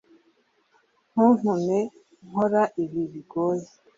ntuntume nkora ibi bigoye